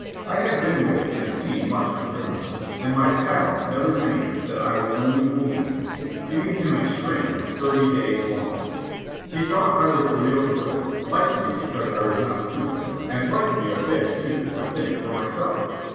I had been with and seen much of criminals, and my pal never dreamed that I was only fooling him, giving him a string thirty days long. He thought I was the real goods, liked me because I was not stupid, and liked me a bit, too, I think, for myself.